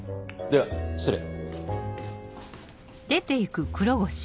では失礼。